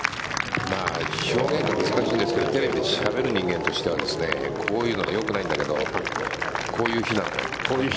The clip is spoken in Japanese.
表現が難しいですけどテレビでしゃべる人間としてはこういうのはよくないんだけどこういう日なんだよね。